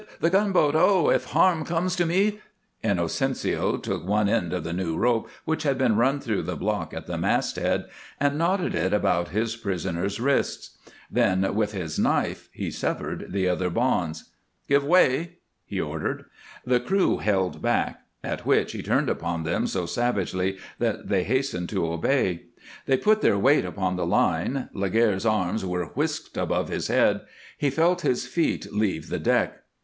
The gunboat! Ho! If harm comes to me " Inocencio took one end of the new rope which had been run through the block at the masthead, and knotted it about his prisoner's wrists, then with his knife he severed the other bonds. "Give way!" he ordered. The crew held back, at which he turned upon them so savagely that they hastened to obey. They put their weight upon the line; Laguerre's arms were whisked above his head, he felt his feet leave the deck.